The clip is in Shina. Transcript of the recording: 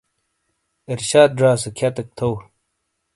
ارشاد زا سے کھیاتیک تھو۔